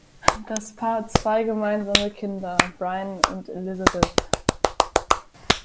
Das Paar hat zwei gemeinsame Kinder, Brian und Elizabeth.